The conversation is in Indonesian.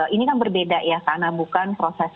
ini kan berbeda ya karena bukan proses